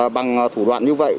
bằng thủ đoạn như vậy